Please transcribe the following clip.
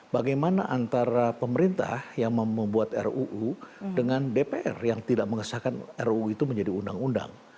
bagaimana antara pemerintah yang membuat ruu dengan dpr yang tidak mengesahkan ruu itu menjadi undang undang